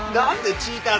チーターズ？